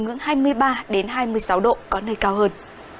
ở mức hai mươi ba đến hai mươi sáu độ có nơi cao hơn